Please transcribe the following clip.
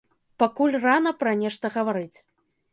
Пакуль рана пра нешта гаварыць.